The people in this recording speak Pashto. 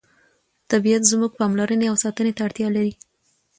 طبیعت زموږ پاملرنې او ساتنې ته اړتیا لري